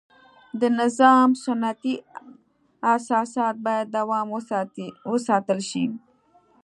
د نظام سنتي اساسات باید دوام وساتل شي.